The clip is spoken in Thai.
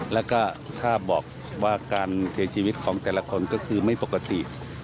แล้วก็ถ้าบอกว่าการเสียชีวิตของแต่ละคนก็คือไม่ปกติ